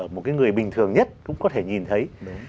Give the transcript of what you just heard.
một cái người bình thường nhất cũng có thể nhìn thấy